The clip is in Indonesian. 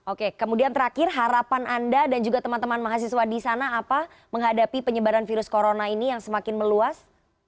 oke kemudian terakhir harapan anda dan juga teman teman mahasiswa di sana apa menghadapi penyebaran virus corona ini yang semakin meluas